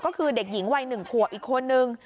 ก็คือเด็กหญิงวัย๑ขวบอีกคนนึง